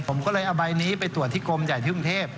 ผมก็เลยเอาใบนี้ไปตรวจที่กรมใหญ่ที่กรุงเทพ